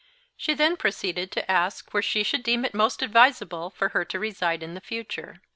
She then proceeded to ask where she should deem it most advisable for her to reside in future.